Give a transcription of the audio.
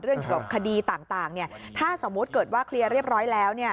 เกี่ยวกับคดีต่างถ้าสมมุติเกิดว่าเคลียร์เรียบร้อยแล้ว